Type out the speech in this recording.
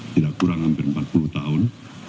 tidak kurang hampir empat puluh tahun